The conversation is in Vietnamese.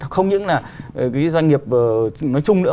không những là doanh nghiệp nói chung nữa